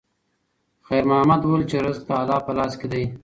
خیر محمد وویل چې رزق د الله په لاس کې دی.